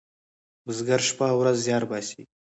بزگر شپه او ورځ زیار باسي.